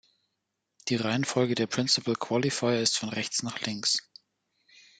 Die Reihenfolge der Principal Qualifier ist von rechts nach links.